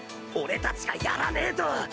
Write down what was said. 俺たちがやらねえと！